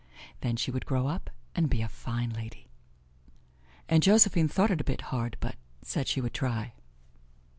Then she would grow up and be a fine lady. And Josephine thought it a bit hard, but said she would try.